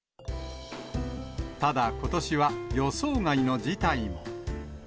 ただ、ことしは予想外の事態も。